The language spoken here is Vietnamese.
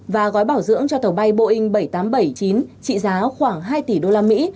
và gói bảo dưỡng cho tàu bay boeing bảy trăm tám mươi bảy chín trị giá khoảng hai tỷ đô la mỹ